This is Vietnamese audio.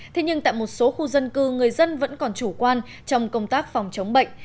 thế nhưng tại một số khu dân cư người dân vẫn còn chủ quan trong công tác phòng chống bệnh